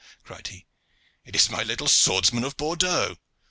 cried he, "it is my little swordsman of Bordeaux.